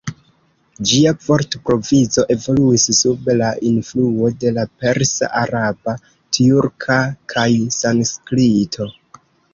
Ĝia vortprovizo evoluis sub la influo de la persa, araba, tjurka kaj sanskrito.